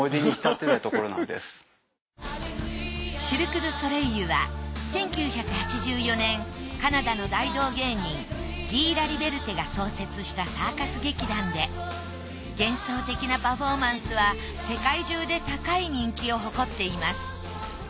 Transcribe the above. シルク・ドゥ・ソレイユは１９８４年カナダの大道芸人ギー・ラリベルテが創設したサーカス劇団で幻想的なパフォーマンスは世界中で高い人気を誇っています。